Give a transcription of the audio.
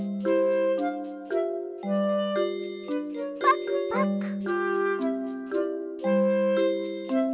パクパク。